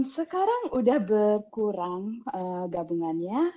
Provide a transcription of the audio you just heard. sekarang sudah berkurang gabungannya